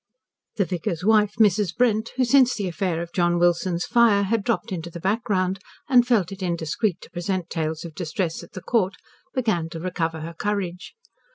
The vicar's wife, Mrs. Brent, who since the affair of John Wilson's fire had dropped into the background and felt it indiscreet to present tales of distress at the Court, began to recover her courage.